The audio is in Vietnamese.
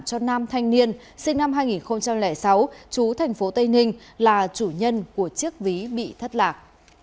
cho năm thanh niên sinh năm hai nghìn sáu chú tp tây ninh là chủ nhân của chiếc ví bị thất lạc